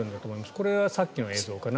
これはさっきの映像かな。